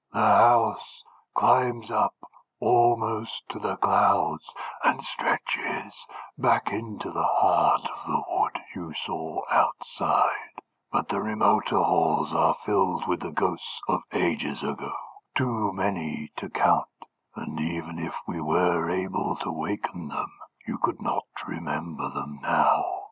"The house climbs up almost to the clouds, and stretches back into the heart of the wood you saw outside, but the remoter halls are filled with the ghosts of ages ago too many to count, and even if we were able to waken them you could not remember them now.